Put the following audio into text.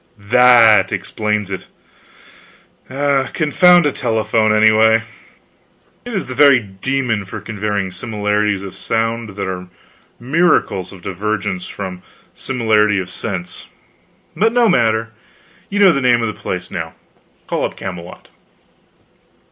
"That explains it. Confound a telephone, anyway. It is the very demon for conveying similarities of sound that are miracles of divergence from similarity of sense. But no matter, you know the name of the place now. Call up Camelot."